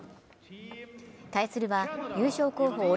対するは優勝候補